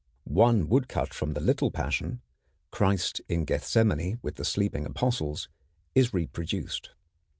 One woodcut from the Little Passion, Christ in Gethsemane with the sleeping apostles, is reproduced.